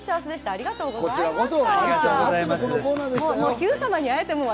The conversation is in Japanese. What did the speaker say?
麻里ちゃん、ありがとうございました。